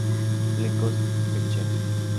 Flecos, Pechera.